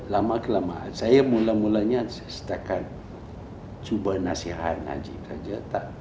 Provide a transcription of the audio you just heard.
lama kelamaan saya mulanya setakat coba nasihat haji saja